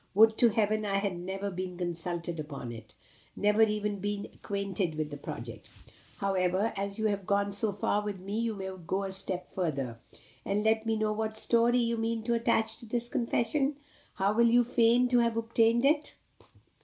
Would to Heaven I had never been consulted upon it never even been made acquainted with the project. However, as you have gone so far with me you may go a step further, and let me know what story you mean to attach to this confession? How will you feign to have obtained it?"